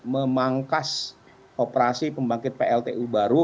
memangkas operasi pembangkit pltu baru